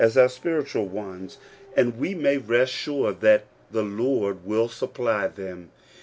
^ ord spiritual ones, and we may rest sure that the will supply them.